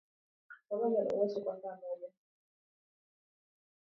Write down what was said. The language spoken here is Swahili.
Koroga na uache kwa saa moja